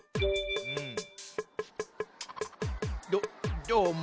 どどーも？